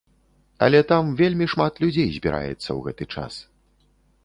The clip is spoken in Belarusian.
Але там вельмі шмат людзей збіраецца ў гэты час.